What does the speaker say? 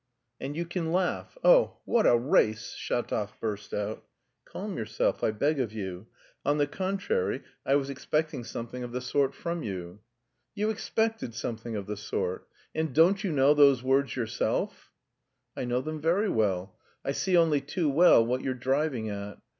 "And you can laugh, oh, what a race!" Shatov burst out. "Calm yourself, I beg of you; on the contrary, I was expecting something of the sort from you." "You expected something of the sort? And don't you know those words yourself?" "I know them very well. I see only too well what you're driving at.